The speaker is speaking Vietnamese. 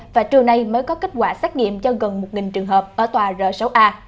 và trưa nay mới có kết quả xét nghiệm cho gần một trường hợp ở tòa r sáu a